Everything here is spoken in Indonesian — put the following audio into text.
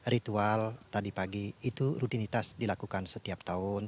ritual tadi pagi itu rutinitas dilakukan setiap tahun